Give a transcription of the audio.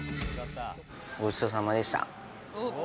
ごちそうさまでした。